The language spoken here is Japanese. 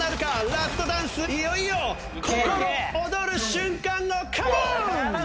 ラストダンスいよいよ心躍る瞬間カモン！